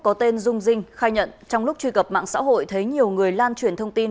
có tên dung dinh khai nhận trong lúc truy cập mạng xã hội thấy nhiều người lan truyền thông tin